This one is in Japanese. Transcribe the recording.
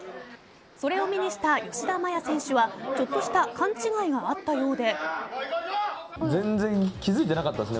それを目にした吉田麻也選手はちょっとした勘違いがあったようで。